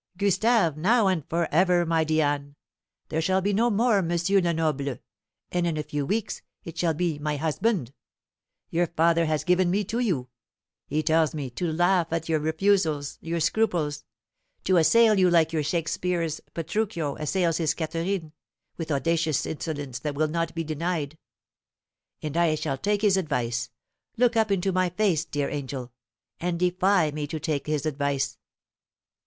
"Gustave, now and for ever, my Diane! There shall be no more Monsieur Lenoble. And in a few weeks it shall be 'my husband.' Your father has given me to you. He tells me to laugh at your refusals your scruples; to assail you like your Shakespeare's Petruchio assails his Katherine with audacious insolence that will not be denied. And I shall take his advice. Look up into my face, dear angel, and defy me to take his advice."